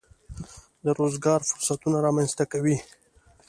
د روزګار فرصتونه رامنځته کوي.